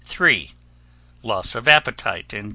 Loss of appetite 21.